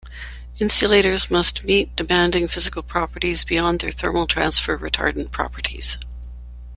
Insulators must meet demanding physical properties beyond their thermal transfer retardant properties.